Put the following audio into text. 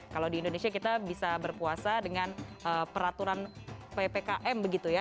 kalau di indonesia kita bisa berpuasa dengan peraturan ppkm begitu ya